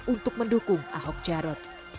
untuk mendukung ahok jarot